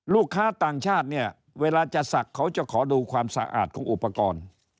ลูกค้าต่างชาติเนี่ยเวลาจะศักดิ์เขาจะขอดูความสะอาดของอุปกรณ์